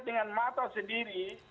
dengan mata sendiri